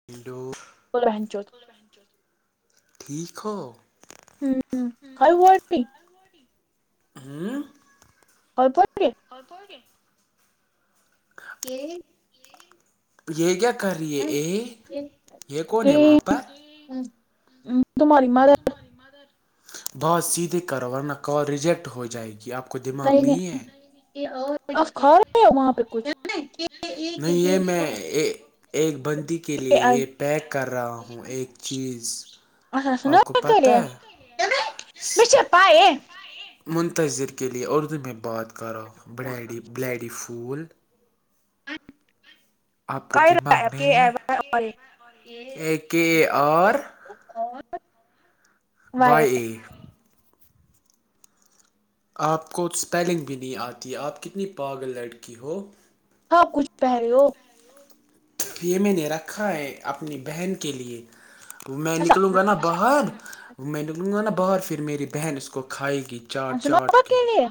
[unintelligible] [unintelligible] ٹھیک ہو ہ کئی گٹی ہوں کئیپہ اورپ کے کہ یہ کیا کر رہی ہے ا یہ کون ہے وہاں پر ہ تمہاری م بہت سیدھے کرو ورنہ کال ریجیکٹ ہو جائے گی آپ کو ب دماغ نہیں ہے ک رہے ہو وہاں پہ کچھ نہیں یہ میں ایک بندی کے لیے یہ پیک کر رہا ہوں ایک چیز آ آپ کو پتہ نری ہے م میں چ پائے منتظر کے لیے اردو میں بات کرو بلیڈی بلیڈی پول آپ کو دماغ نہیں ہے اے کے آر رہا بائے ا آپ کو اسپیلنگ بھی نہیں آتی آپ کتنی پاگل لڑکی ہو ہاں کچھ پہ رہ ہو یہ میں نے رکھا ہے اپنی بہن کے لیے وہ میں اچھا نکلوں گا نا باہر وہ میں نکلوں گا نا باہر پھر میری بہن اس کو کھائے گی چاٹ چاٹ سنوبا کے لیے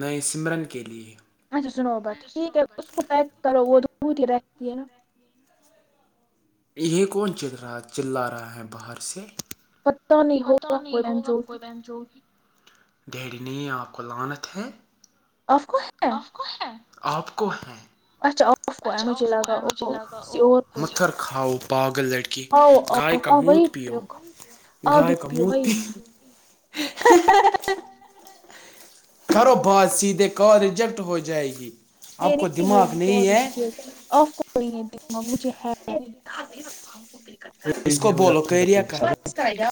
نئے سمرن کے لیے اچھا سنو با ٹھیک ہے اس کو پیک کرو وہ دتی رہتی ہے نا یہ کون چل رہا چللا رہا ہے باہر سے پتہ نہیں پت ہوگا کوئی نہیں بہن ہوگا چود کوگی ڈری نہیں آپ کو لانت ہے آپ کو ہے آپ کو ہیں آپ کو ہیں اچھا آپ کو ہے مجھے لگا او کسی اور کو ہے متر کھاو پاگل لڑکی آؤ گائے آؤ کا آؤ وہی منت پیو آپ بھی گائے کا پیو منت وہی پی سے [unintelligible] کرو بادسی د ک ریجیکٹ ہو جائے گی یہ آپ کو نہیں دماغ ہوگی نہیں ہے مجھے اس کو بولو کریا کر کا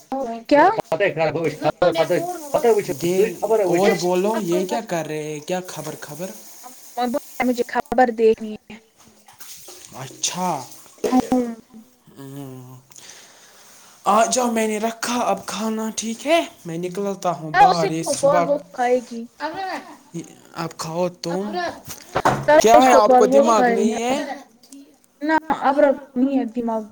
کیا دے خبر کیایا خبر خبر اور مجھے خبر دیکھنی ہے اچھا ہے ہوں آ جاؤ میں نے رکھا اب کھانا ٹھیک ہے میں نکلتااہ اسی باہر یہ کو کال صبح وہ کھائے گی اب کھاؤ تم کیا ہے آپ کو دماغ نہیں ہے اب نہیں ہے دماغ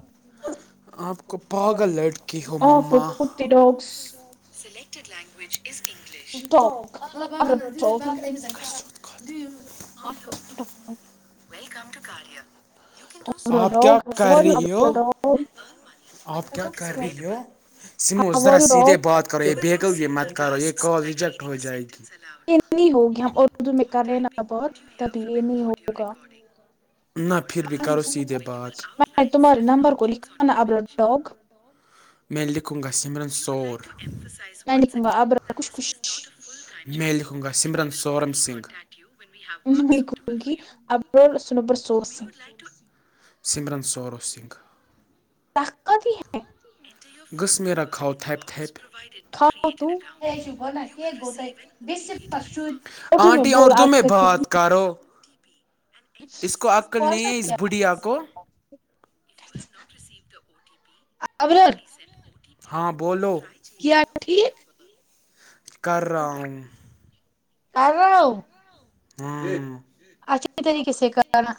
آپ کو پاگل لڑکی ہو آف مما کتے ڈاگس سلیکٹڈ لینگویج ا اسز کنگ ڈاگ اب رب [unintelligible] وک اور آپ کیا ڈاگ کر اور رہی ہو ڈاگ آپ کیا کر رہی ہو سمو ذرا اور ڈاگ سیدھے بات کرو ب قغفی مت کرو یہے کہ کال ریجیکٹ ہو جائے گ یہ نہیں ہوگی ہم اردو میں کر رہے نا بہت تبھی یہ نہیں ہوگا نہ پھر بھی کرو سیدھے بات میں تمہارے نمبر کو لکھانا ابو ڈگ میں لیککھون گا سمرن سور نن کووں گ آبر خش خش میں لکھوں گا سمرن سورم سنگھ [unintelligible] [unintelligible] ٹ سمرن سورو سنگھ طاقت ہی ہے گغس میرکھؤ تھپ تھپ کھاؤ تو اٹھ میں آنٹی بول اوررد آ میں کر کچھ بعد بھی کارو اس کو آکل نہیں ہے اس بڑیا کو ابرت ہاں بولو کیا ٹھیک کرا ہوں کر رہؤ ہاں اچھا ا طریقے سے کرانا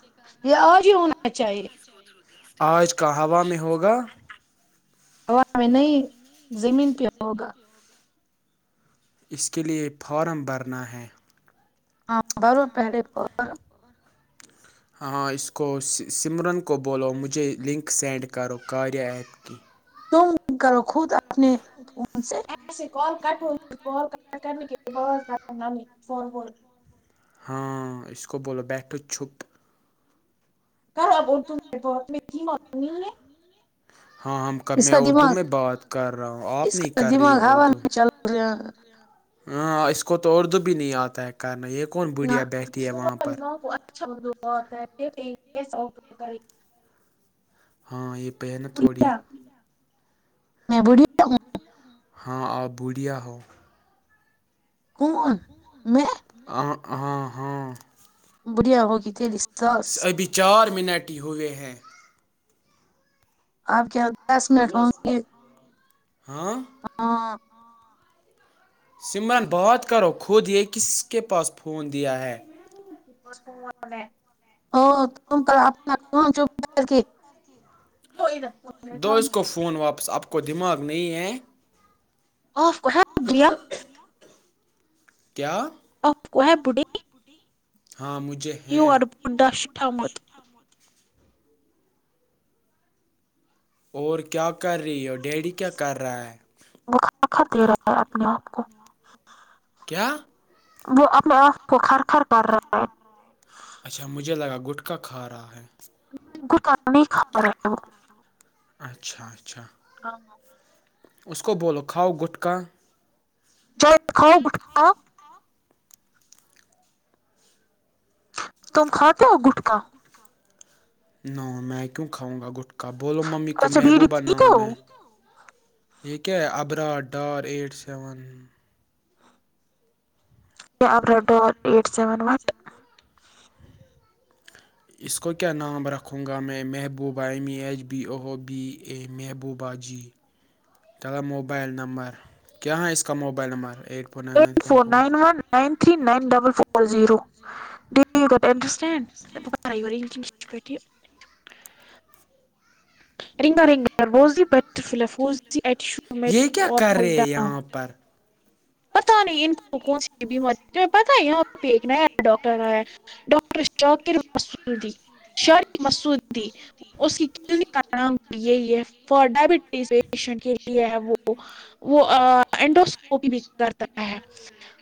یہ آج ہی ہونا چاہیے [unintelligible] آج کا ہوا میں ہوگا ہا میں نہیں زمین پہ ہوگا اس کے لیے فارم بھرنا ہے ہاں بر پہرے پر ہاں اس کو سمرن کو بولو مجھے لنک سینڈ کرو کاریہ ایپ کی تم کرو خود اپنے سے ایے کال کٹ ہو کال ک کرنے کے لیے ف ہاں اس کو بولو بیٹھو چھپ کرو اب اور ت بہت میں م ہو ہاں ہم میں اردو میں بات کر رہا ہوں آپ نہیں کر رہی دماغ ہے ہوا اردو [unintelligible] ہاں اس کو تو اردو بھی نہیں آتا ہے کرنا یہ کون نہ بھیا بیٹھی ہے وہاں پر دماغ [inaudible] ہاں یہ پہ ہے نا تھوڑی بڑھیا میں بڑی ہاں آپ بوڑھیا ہو کون میں ہاں ہاں برییا ہوگی تلیس ابھی چار منٹ ہی ہوئے ہیں آپ کیا دس منٹ گے ہاں ہاں سمن بات کرو خود یہ کس کے پاس فون دیا ہے [inaudible] کوئی نہا دہس کو فون واپس اپ کوو دماغ نہیں ہیں [inaudible] کیا اور کو بڑی ہاں مجھے ہیں یور بڈھا شتھمت اور کیا کر رہی اور ڈیری کیا کر رہا ہے [inaudible] کیا وہ اپنے آپ کو کرکھر کر رہا ہے اچھا مجھے لگا گٹکا کھا رہا ہے کوھٹکا نہیں کھا رہا ہے اچھا اچھا اس کو بولو کھاؤ گٹکا [inaudible] کھاتے ہو گٹکا نا میں کیوں کھاؤں گا گٹکا بولو ممی کو اچھا بیڑی محبوبہ پیتے نام ہو ہے یہ کیہ ابرات ڈار ایٹ سیون کیا آبر ڈور ایٹ سیون وٹ اس کو کیا نام رکھوں گا میں محبوبہ امی H B O B A محبوبہ جی چلا موبائل نمبر کیا ہے اس کا موبائل نمبر ایک eight four nine one nine three nine double four zero اسیا نہیں یہ کیا کر رہے یہاں [inaudible] پر پتا نہیں انکوں سے بھی مر پتا یہاں ایک ڈاکٹر آ ہے ڈاکٹر شاکر مسدی شارق مسدی وہ س کی نہیں کرنا یہ ہی ہے فرڈا بھی پیشنٹ کے لیے وہ وہڈوسکوپی کرتا ہے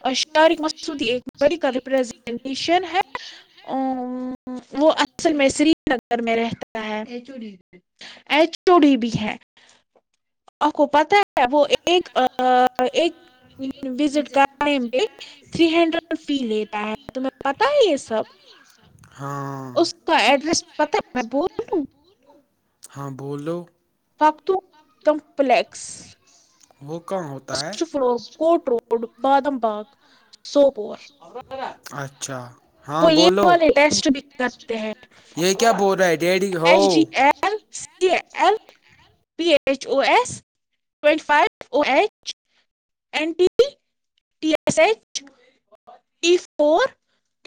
اشارق مسودی ایک میڈیکل ریپریزنٹیشن ٹیشن ہے وہ اصل میں سری نگر میں رہتا ہے چوڑی بھی ہے آپ کو پتا ہے وہ ایک ایک وزٹ کرائ تھری ہنڈریڈ فی لیتا ہے تمہیں پتا ہے یہ سب ہاں اس کا ایڈریس پت ہے میں بول دوں ہاں بولو فاکتو کمپلیکس وہ کم ہوتا ہے فرسٹ فلور کوٹ روڈ بادم باغ سوپور اچھا ہاں وہ یہ بولو والے ٹیسٹ بھی کرتے ہیں یہ کیا اور بول رہا ہے ڈیڈی ہو H D F L C L P H O S twenty five O H N T T S H T four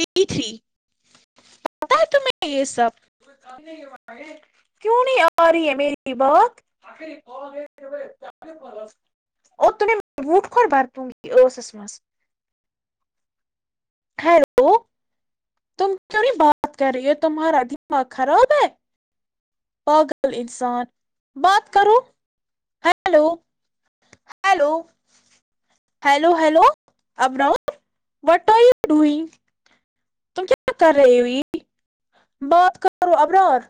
پتہ ہے تو میں یہ سب کیوں نہیں آ رہی ہے میری بات اوتوں بٹ کول بھرپونگسس مس ہیلو تم کیوں نہیں بات کر رہی ہو تمہارا دماغ خراب ہے پاگل انسان بات کرو ہیلو ہیلو ہیلو ہیلوبؤ وٹ آر ی ڈو تم کیا کر رہے ہو یہ بات کرو ابرار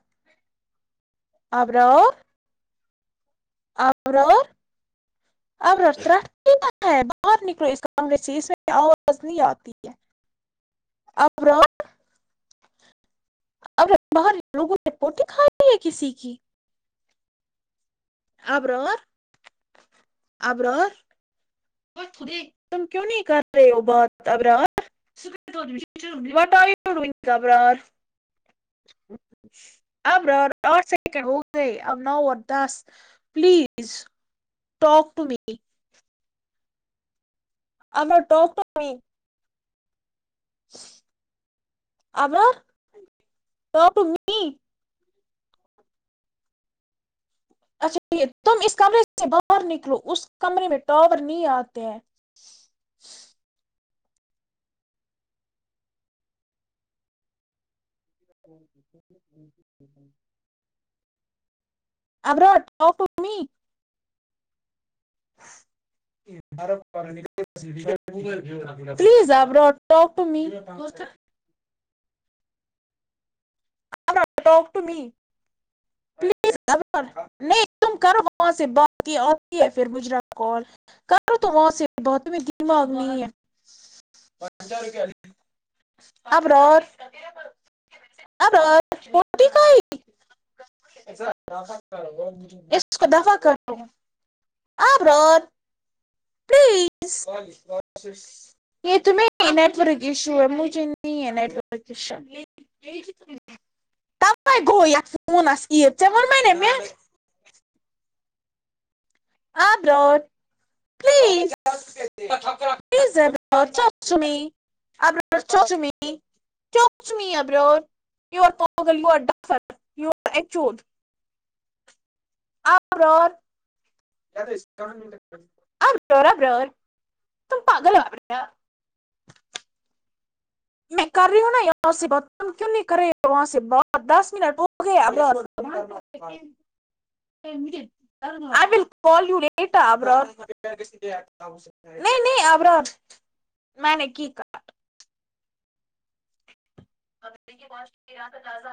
آبرار اور اب ہے باہر نکلو اس کمرے سے اس میں آواز نہیں آتی اپب ا باہر لوگوں نے روٹی کھای ہے کسی کی ابرار ابرار تم کیوں نہیں کر رہے ہو بات ابرات آبر اچ ابا آٹھ سیکنڈ ہو گئی اب ن اور this please talk to me ہم ٹکٹ آ تو م اچھا تم اس کمرے سے باہر نکلو اس کمرے میں ٹاور نہیں آتے ہیں ابر پلیز آ براٹ ٹاک ٹو می ٹک ٹ م پلیز نہیں کر وہاں سے بات ہی آتی ہے پھر مجرا کال ک تو وہاں سے بہت میر دماغ میں ہے اب آ ر بٹی کوئی اس کو دفاع کر آبرت پلیز یہ تمہ نیٹورک ایشو ہے مجھے نہیں ہے نیٹ ورک ایشو ت گو ونس عید وونم ن م آر ز اب چو س پ ڈفر اچود اور آ بور آ برور ت پاگل باپ رہ میں کر رہی ہوں نا یہاں سے بہت کیوں نہیں کرے وہاں سے بہت دس منٹ ہو گئے اب ل آئی ول کال وٹر نہیں نہیں ابرام میں نے کی کہا ا رہا تھا تازہ